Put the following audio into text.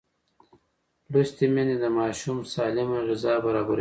لوستې میندې د ماشوم سالمه غذا برابروي.